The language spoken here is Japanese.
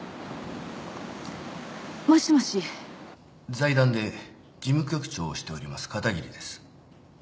財団で事務局長をしております片桐です。